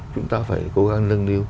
chúng ta phải cố gắng nâng lưu